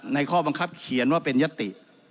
ข้อบังคับเขียนว่าเป็นยติ